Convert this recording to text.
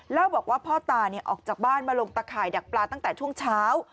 แล้วบอกว่าพ่อตาออกจากบ้านมาลงตะข่ายดักปลาตั้งแต่ช่วงเช้า